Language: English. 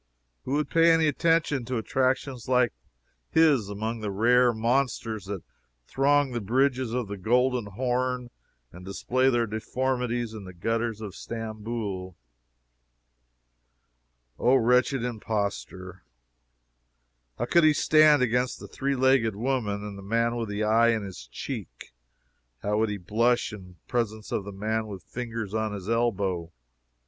Who would pay any attention to attractions like his among the rare monsters that throng the bridges of the Golden Horn and display their deformities in the gutters of Stamboul? O, wretched impostor! How could he stand against the three legged woman, and the man with his eye in his cheek? How would he blush in presence of the man with fingers on his elbow?